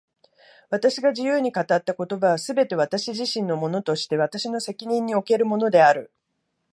私が自由に語った言葉は、すべて私自身のものとして私の責任におけるものである。